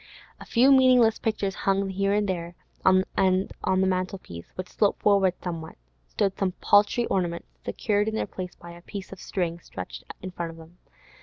A few meaningless pictures hung here and there, and on the mantel piece, which sloped forward somewhat, stood some paltry ornaments, secured in their places by a piece of string stretched in front of them.